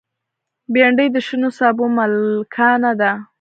بېنډۍ د شنو سابو ملکانه ده